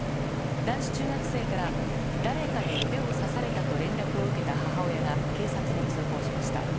男子中学生から、誰かに腕を刺されたと連絡を受けた母親が警察に通報しました。